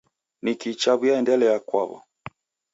Nikii chaw'iaendelia kwaw'o?